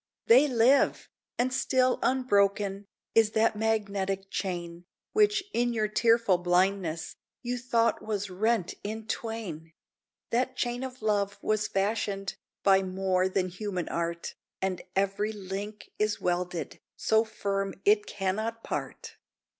They live! and still unbroken Is that magnetic chain, Which, in your tearful blindness, You thought was rent in twain. That chain of love was fashioned By more than human art, And every link is welded So firm it cannot part.